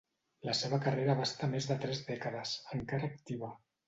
La seva carrera abasta més de tres dècades, encara activa.